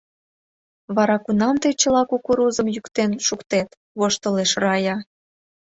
— Вара кунам тый чыла кукурузым йӱктен шуктет? — воштылеш Рая.